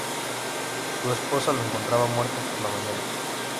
Su esposa lo encontraba muerto por la mañana.